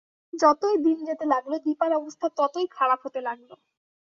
যতই দিন যেতে লাগল দিপার অবস্থা ততই খারাপ হতে লাগল।